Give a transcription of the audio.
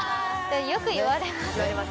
・よく言われます。